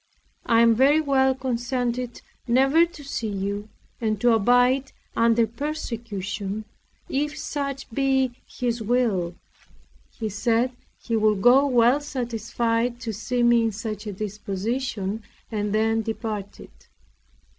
I am very well contented never to see you, and to abide under persecution, if such be His will." He said he would go well satisfied to see me in such a disposition, and then departed.